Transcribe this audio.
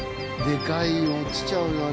でかいよ落ちちゃうよ